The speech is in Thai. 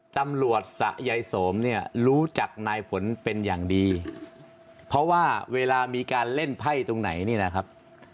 สะยายโสมเนี่ยรู้จักนายผลเป็นอย่างดีเพราะว่าเวลามีการเล่นไพ่ตรงไหนนี่นะครับ